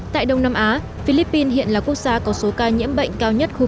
tại đông nam á philippines hiện là quốc gia có số ca nhiễm bệnh cao nhất khu vực